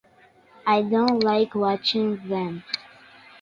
I don’t like watching them.